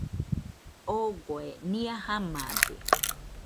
Ogoe nɨa jamade